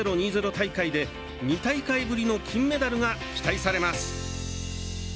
大会で２大会ぶりの金メダルが期待されます。